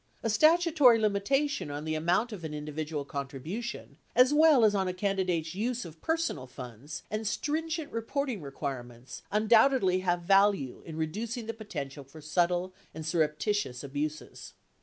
A statutory limitation on the amount of an individual contribution, as well as on a candidate's use of personal funds, and stringent reporting requirements, undoubtedly have value in reducing the potential for subtle and surreptitious abuses.